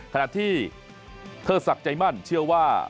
ขณะที่เทิดศักดิ์ใจมั่นเชื่อว่า